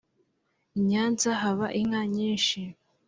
Inyanza haba inka nyinshi